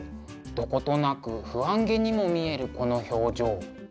どことなく不安げにも見えるこの表情。